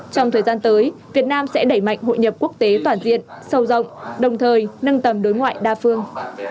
trong thời gian tới việt nam sẽ đẩy mạnh hội nhập quốc tế toàn diện sâu rộng đồng thời nâng tầm đối ngoại đa phương